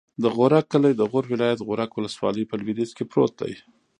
د غورک کلی د غور ولایت، غورک ولسوالي په لویدیځ کې پروت دی.